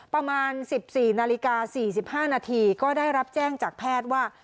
ประมาณ๑๔นาฬิกา๔๕นาทีก็ได้รับแจ้งจากแพทย์ว่า